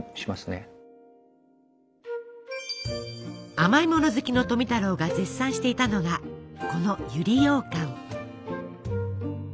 甘いもの好きの富太郎が絶賛していたのがこの百合ようかん。